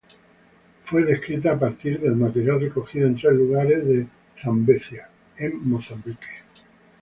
Fue descrita a partir de material recogido en tres lugares de Zambezia, en Mozambique.